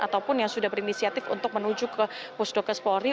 ataupun yang sudah berinisiatif untuk menuju ke pusdokes polri